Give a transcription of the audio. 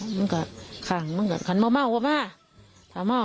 มั่งคนน่ะเฮ้อพ่อม่า